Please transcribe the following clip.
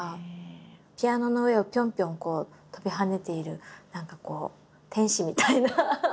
ピアノの上をぴょんぴょん跳びはねている何か天使みたいな。